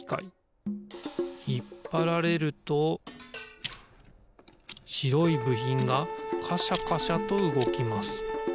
ひっぱられるとしろいぶひんがカシャカシャとうごきます。